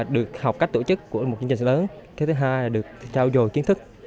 được học cách tổ chức của một chương trình lớn cái thứ hai là được trao dồi kiến thức